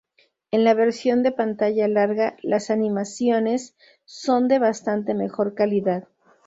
En la versión de pantalla larga, las animaciones son de bastante mejor calidad.